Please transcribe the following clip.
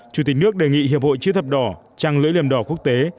chủ tịch nước đề nghị hiệp hội chữ thập đỏ trăng lưỡi liềm đỏ quốc tế